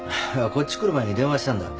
こっち来る前に電話したんだ。